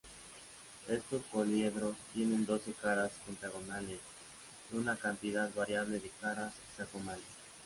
Estos poliedros tienen doce caras pentagonales y una cantidad variable de caras hexagonales.